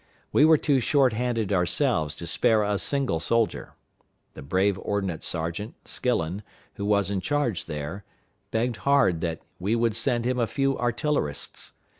We were too short handed ourselves to spare a single soldier. The brave ordnance sergeant, Skillen, who was in charge there, begged hard that we would send him a few artillerists.